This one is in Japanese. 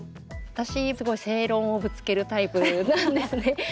私すごい正論をぶつけるタイプなんですね。